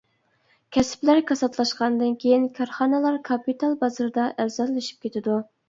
كەسىپلەر كاساتلاشقاندىن كېيىن، كارخانىلار كاپىتال بازىرىدا ئەرزانلىشىپ كېتىدۇ.